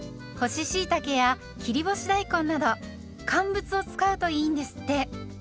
干ししいたけや切り干し大根など「乾物」を使うといいんですって。